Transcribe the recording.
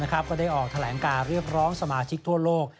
ก็ได้ออกแถลงการเรียกร้องสมาชิกทั่วโลก